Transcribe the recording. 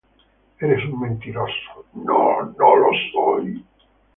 ¡ Eres un mentiroso! ¡ no, no lo soy!